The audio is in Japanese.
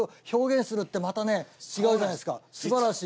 ってまた違うじゃないですか素晴らしい。